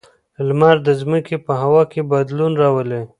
لمر د ځمکې په هوا کې بدلون راولي.